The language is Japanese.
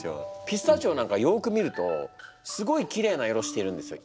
ピスタチオなんかよく見るとすごいきれいな色してるんですよ。